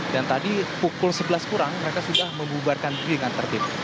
dan tadi pukul sebelas kurang mereka sudah mengubarkan diri dengan tertib